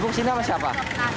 ibu kesini sama siapa